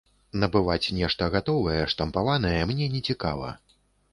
Набываць нешта гатовае, штампаванае мне не цікава.